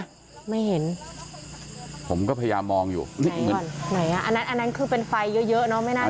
ไม่เห็นผมก็พยายามมองอยู่ไหนอ่ะอันนั้นอันนั้นคือเป็นไฟเยอะเยอะเนาะ